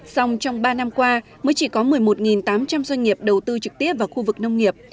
xong trong ba năm qua mới chỉ có một mươi một tám trăm linh doanh nghiệp đầu tư trực tiếp vào khu vực nông nghiệp